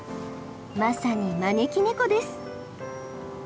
まさに招き猫です。